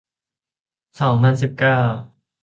สองพันสิบเก้า